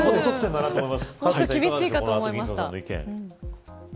もっと厳しいかと思いました。